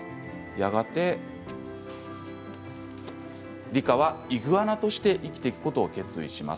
やがてリカはイグアナとして生きていくことを決意します。